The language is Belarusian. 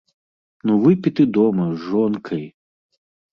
Ну выпі ты дома, з жонкай!